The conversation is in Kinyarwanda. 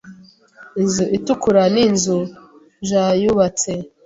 Inzu itukura ni inzu Ja yubatse.